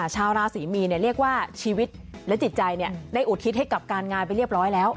ชาวราศรีมีนเรียกว่าชีวิตและจิตใจได้อุทิศให้กับการงานไปเรียบร้อยแล้ว